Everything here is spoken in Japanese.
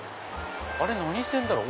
あれ何線だろう？